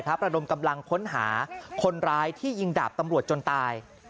ระดมกำลังค้นหาคนร้ายที่ยิงดาบตำรวจจนตาย